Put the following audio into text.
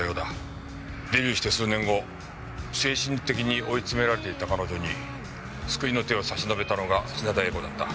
デビューして数年後精神的に追い詰められていた彼女に救いの手を差し伸べたのが品田栄子だった。